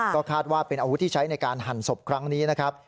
ก็คาดว่าเป็นอาวุธที่ใช้ในการหั่นศพครั้งนี้นะครับ